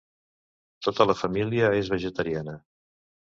Tota la família és vegetariana.